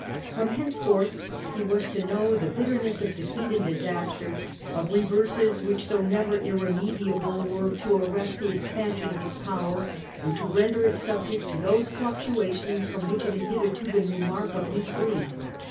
From henceforth he was to know the bitterness of defeat and disaster, of reverses which, though never irre mediable, were to arrest the expansion of his power and to render it subject to those fluctuations from which it had hitherto been remarkably free.